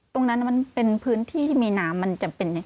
ตรงนั้นมันเป็นพื้นที่ที่มีน้ำมันจำเป็น